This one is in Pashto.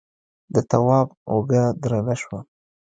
د تواب اوږه درنه شوه.